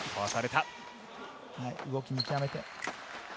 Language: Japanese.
動きを見極めて。